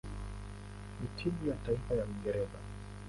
na timu ya taifa ya Uingereza.